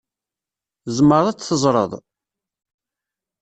Tzemreḍ ad d-teẓṛeḍ?